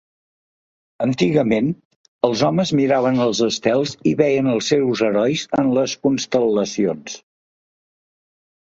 Antigament, els homes miraven els estels i veien els seus herois en les constel·lacions.